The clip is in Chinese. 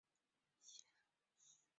西汉末年右扶风平陵人。